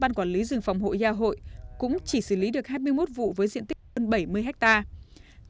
rừng phòng hộ gia hội cũng chỉ xử lý được hai mươi một vụ với diện tích hơn bảy mươi hectare